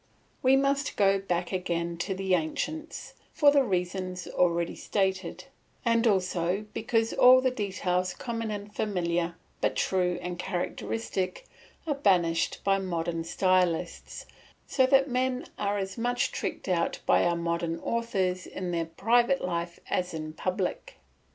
We must go back again to the ancients, for the reasons already stated, and also because all the details common and familiar, but true and characteristic, are banished by modern stylists, so that men are as much tricked out by our modern authors in their private life as in public.